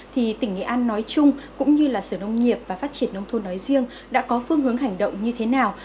thì tỉnh nghệ an nói chung cũng như sở nông nghiệp và phát triển nông thôn nói riêng đã có phương hướng hành động như thế nào